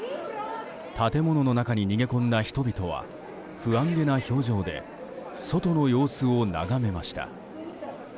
建物の中に逃げ込んだ人々は不安げな表情で外の様子を眺めました。